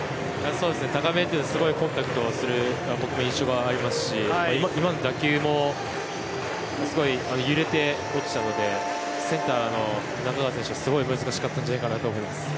高めにコンタクトする印象が僕も印象がありますし今の打球もすごい揺れて落ちたのでセンターの中川選手はすごい難しかったんじゃないかと思います。